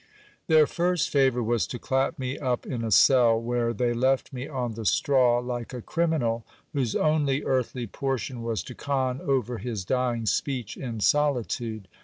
Their first favour was to clap me up in a cell, where they left me on the straw like a criminal, whose only earthly portion was to con over his dying speech in solitude.